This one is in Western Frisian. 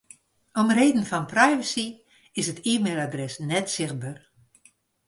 Om reden fan privacy is it e-mailadres net sichtber.